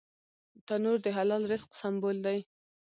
تنور د حلال رزق سمبول دی